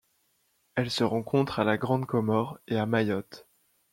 Elle se rencontre à la Grande Comore et à Mayotte.